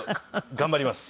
頑張ります。